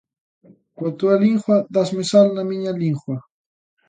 Coa túa lingua dásme sal na miña lingua.